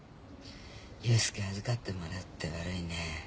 佑介預かってもらって悪いね。